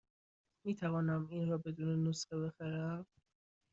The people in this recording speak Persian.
می توانم این را بدون نسخه بخرم؟